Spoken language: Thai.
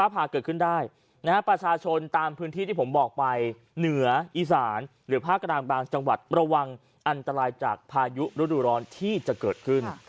พายุรุ่นร้อนที่จะเกิดขึ้น